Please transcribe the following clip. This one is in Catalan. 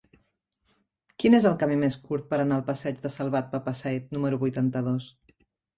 Quin és el camí més curt per anar al passeig de Salvat Papasseit número vuitanta-dos?